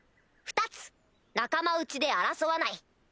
２つ仲間内で争わない。